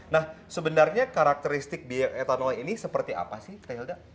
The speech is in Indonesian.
nah sebenarnya karakteristik bioetanol ini seperti apa sih kahilda